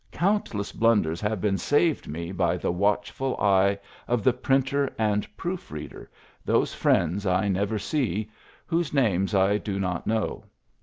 Countless blunders have been saved me by the watchful eye of the printer and proof reader, those friends I never see, whose names I do not know.